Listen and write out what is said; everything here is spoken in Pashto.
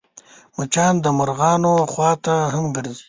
مچان د مرغانو خوا ته هم ګرځي